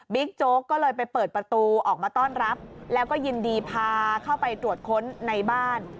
โจ๊กก็เลยไปเปิดประตูออกมาต้อนรับแล้วก็ยินดีพาเข้าไปตรวจค้นในบ้าน